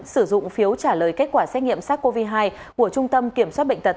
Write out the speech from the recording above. sử dụng phiếu trả lời kết quả xét nghiệm sars cov hai của trung tâm kiểm soát bệnh tật